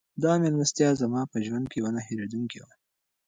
دا مېلمستیا زما په ژوند کې یوه نه هېرېدونکې وه.